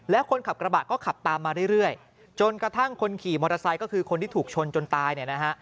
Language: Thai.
แล้วคนขับกระบะก็ขับตามมาเรื่อยจนกระทั่งคนขี่มอเตอร์ไซค์ก็คือคนที่ถูกชนจนตายเนี่ยนะฮะ